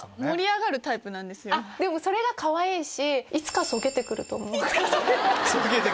でもそれがかわいいし。